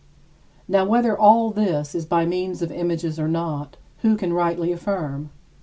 Now whether all this is by means of images or not, who can rightly affirm?